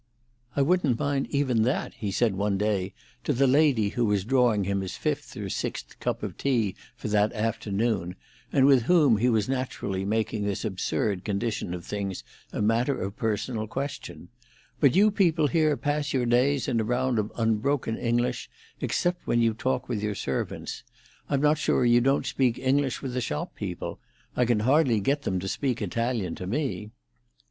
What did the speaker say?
"I wouldn't mind even that," he said one day to the lady who was drawing him his fifth or sixth cup of tea for that afternoon, and with whom he was naturally making this absurd condition of things a matter of personal question; "but you people here pass your days in a round of unbroken English, except when you talk with your servants. I'm not sure you don't speak English with the shop people. I can hardly get them to speak Italian to me."